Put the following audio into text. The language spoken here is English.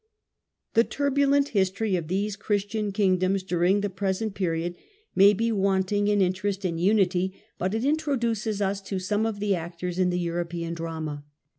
The turbulent history of these Christian Kingdoms during the present period may be wanting in interest and unity, but it introduces us to some of the actors in the European drama.